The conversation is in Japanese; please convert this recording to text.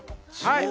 はい！